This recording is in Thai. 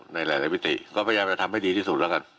ในหลายมิติก็พยายามจะทำให้ดีที่สุดแล้วกัน